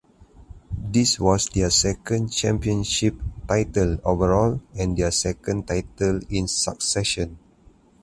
This was their second championship title overall and their second title in succession.